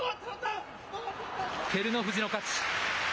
照ノ富士の勝ち。